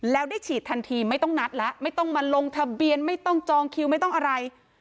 แล้วได้ฉีดทันทีไม่ต้องนัดแล้วไม่ต้องมาลงทะเบียนไม่ต้องจองคิวไม่ต้องอะไร